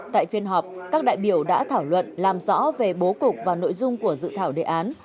tại phiên họp các đại biểu đã thảo luận làm rõ về bố cục và nội dung của dự thảo đề án